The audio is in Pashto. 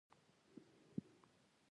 او د ګوړې ګرم چای نه خوندونه اخيستل